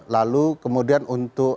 lalu kemudian untuk